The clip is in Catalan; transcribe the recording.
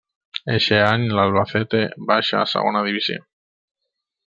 Eixe any l'Albacete baixa a Segona Divisió.